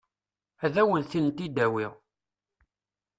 Ad wen-tent-id-awiɣ.